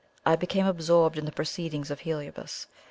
I became absorbed in the proceedings of Heliobas.